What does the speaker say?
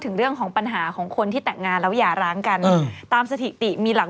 ถึงเรื่องของปัญหาของคนที่แต่งงานแล้วอย่าร้างกันตามสถิติมีหลัง